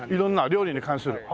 料理に関する？